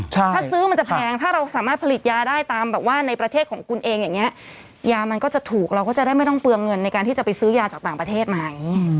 ถ้าซื้อมันจะแพงถ้าเราสามารถผลิตยาได้ตามแบบว่าในประเทศของคุณเองอย่างนี้ยามันก็จะถูกเราก็จะได้ไม่ต้องเปลืองเงินในการที่จะไปซื้อยาจากต่างประเทศไหม